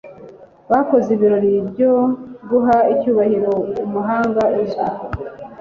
Bakoze ibirori byo guha icyubahiro umuhanga uzwi.